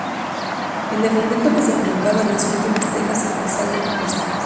En el momento que se colocaban las últimas tejas se realizaba una fiesta.